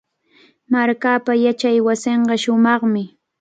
Markaapa yachaywasinqa shumaqmi.